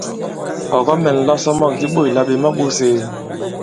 Ɔ̀ kɔ-mɛ̀nla isɔmɔ̂k di ɓôt là "ɓè ma-ɓōs ēe?".